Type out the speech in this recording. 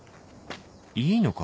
いいのか？